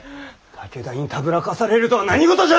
武田にたぶらかされるとは何事じゃ！